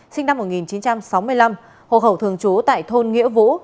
sinh năm một nghìn chín trăm sáu mươi năm hồ hậu thường trú tại thôn nghĩa vũ